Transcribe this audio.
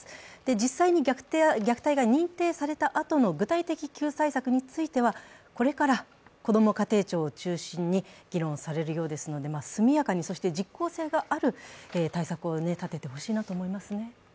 実際に虐待が認定されたあとの具体的救済策については、これからこども家庭庁を中心に議論されるようですので速やかに、そして実効性がある対策を立ててほしいなと思いますね。